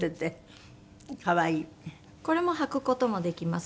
これも履く事もできます。